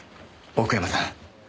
奥山さん。